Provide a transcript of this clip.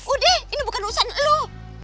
udah ini bukan urusan lo